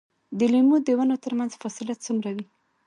د لیمو د ونو ترمنځ فاصله څومره وي؟